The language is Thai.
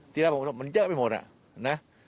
ทีละผมมันเยอะไปหมดน่ะ